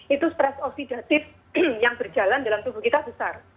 itu stress oksidatif yang berjalan dalam tubuh kita besar